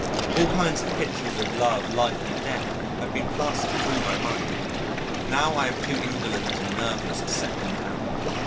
All kinds of pictures of Love, Life, and Death have been passing through my mind. Now I am too indolent and nerveless to set them down.